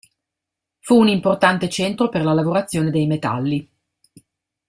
Fu un importante centro per la lavorazione dei metalli.